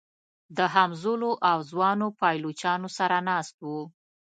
د همزولو او ځوانو پایلوچانو سره ناست و.